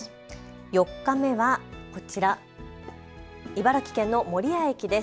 ４日目はこちら、茨城県の守谷駅です。